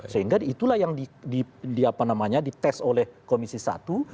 sehingga itulah yang di apa namanya di tes oleh komisi satu